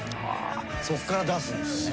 そこから出すんですって。